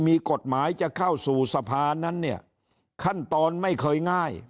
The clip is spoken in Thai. มีกฎหมายจะเข้าสู่สภานั้นเนี่ยขั้นตอนไม่เคยง่าย